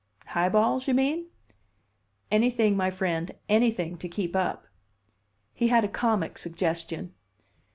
"High balls, you mean?" "Anything, my friend; anything to keep up." He had a comic suggestion.